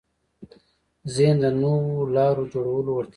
ذهن د نوو لارو جوړولو وړتیا لري.